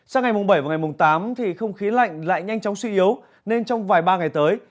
sau ngày bảy tám không khí lạnh lại nhanh chóng suy yếu nên trong vài ba ngày tới